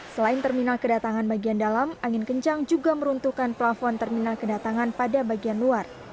selain terminal kedatangan bagian dalam angin kencang juga meruntuhkan plafon terminal kedatangan pada bagian luar